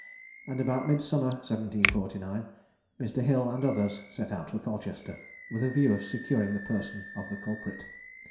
and about midsummer 1749, Mr. Hill and others set out for Colchester, with a view of securing the person of the culprit.